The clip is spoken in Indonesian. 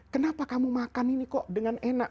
kenapa kamu makan ini kok dengan enak